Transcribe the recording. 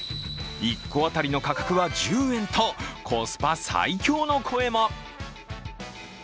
１個あたりの価格は１０円とコスパ最強の声も。